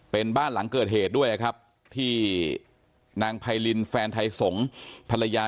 เป็นบ้านหลังเกิดเหตุด้วยครับที่นางพัยลินแฟนไทยสงพลายา